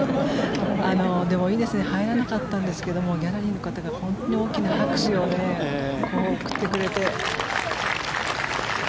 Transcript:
でも、いいですね入らなかったんですけどギャラリーの方が本当に大きな拍手を送ってくれて。